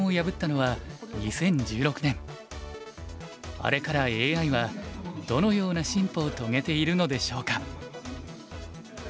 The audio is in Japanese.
あれからＡＩはどのような進歩を遂げているのでしょうか？